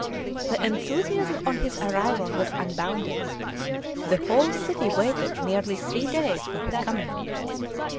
The enthusiasm on his arrival was unbounded. The whole city waited nearly three days for his coming.